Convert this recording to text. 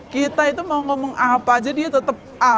kita itu mau ngomong apa aja dia tetep